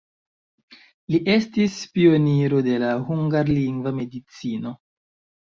Li estis pioniro de la hungarlingva medicino.